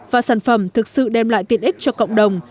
và sản phẩm thực sự đem lại tiện ích cho cộng đồng